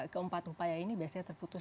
keempat upaya ini biasanya terputus